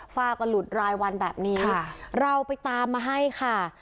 ฝ้าก็หลุดรายวันแบบนี้เราไปตามมาให้ค่ะ